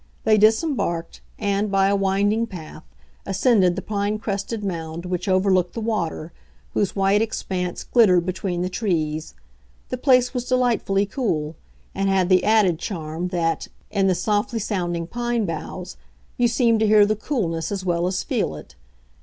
They disembarked, and, by a winding path, ascended the pine crested mound which overlooked the water, whose white expanse glittered between the trees. The place was delightfully cool, and had the added charm that—in the softly sounding pine boughs—you seemed to hear the coolness as well as feel it.